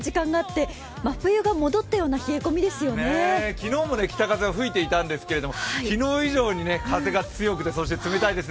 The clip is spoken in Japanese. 昨日も北風は吹いていたんですけど、昨日以上に風が強くて、冷たいですね